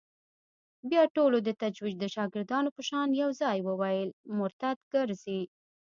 بيا ټولو د تجويد د شاگردانو په شان يو ځايي وويل مرتد کرزى.